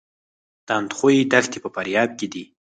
د اندخوی دښتې په فاریاب کې دي